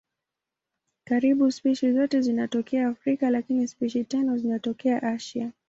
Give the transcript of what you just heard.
Karibu spishi zote zinatokea Afrika lakini spishi tano zinatokea Asia.